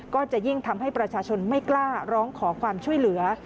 ก็จะยิ่งทำให้ประชาชนไม่กล้าร้องขอความช่วยเหลือ